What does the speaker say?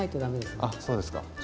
あっそうですか。